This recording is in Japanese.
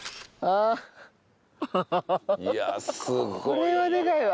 これはでかいわ。